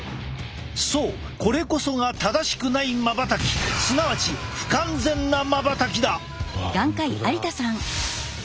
そうこれこそが正しくないまばたきすなわち不完全なまばたきだ！